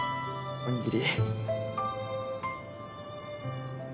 おにぎり。